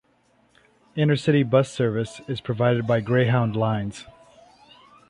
Intercity bus service is provided by Greyhound Lines.